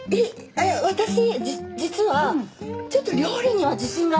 私実はちょっと料理には自信があるんですよ。